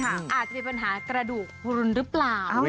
อาจจะมีปัญหากระดูกพลุนหรือเปล่า